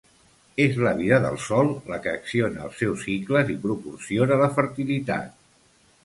És la vida del sòl la que acciona els seus cicles i proporciona la fertilitat.